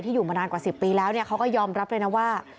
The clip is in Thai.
อยู่มานานกว่า๑๐ปีแล้วเขาก็ยอมรับเลยนะว่า